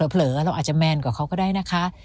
เผลอเราอาจจะแมนกว่าเขาก็ได้นะคะ